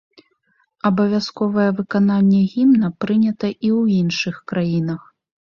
Абавязковае выкананне гімна прынята і ў іншых краінах.